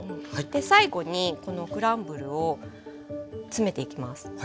最後にこのクランブルを詰めていきます。